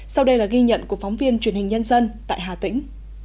sau đây là ghi nhận của phóng viên truyền hình nhân dân tại hà tĩnh